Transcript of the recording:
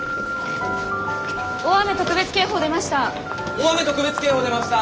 大雨特別警報出ました！